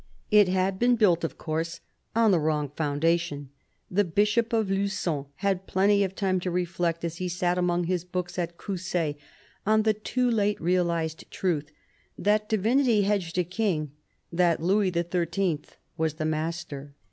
It had been built, of course, on the wrong foundation : the Bishop of Luipon had plenty of time to reflect, as he sat among his books at Coussay, on the too late realised truth that divinity hedged a king, that Louis XIII. was the master.